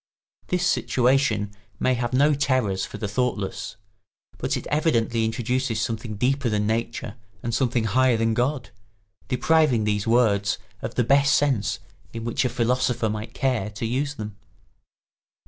This situation may have no terrors for the thoughtless; but it evidently introduces something deeper than Nature and something higher than God, depriving these words of the best sense in which a philosopher might care to use them.